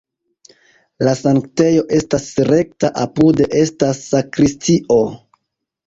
La sanktejo estas rekta, apude estas sakristio.